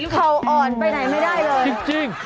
เขาอ่อนไปไหนไม่ได้เลยจริง